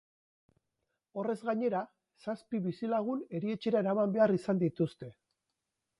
Horrez gainera, zazpi bizilagun erietxera eraman behar izan dituzte.